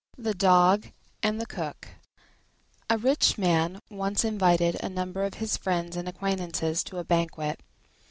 THE DOG AND THE COOK A rich man once invited a number of his friends and acquaintances to a banquet.